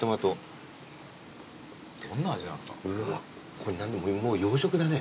これもう洋食だね。